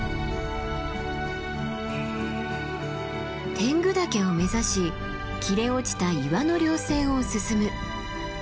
天狗岳を目指し切れ落ちた岩の稜線を進む。